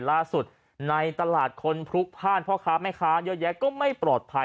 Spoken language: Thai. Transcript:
ล่าสุดในตลาดคนพลุกพ่านพ่อค้าแม่ค้าเยอะแยะก็ไม่ปลอดภัย